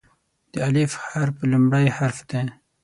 د "الف" حرف لومړی حرف دی.